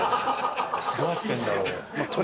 どうやってんだろう？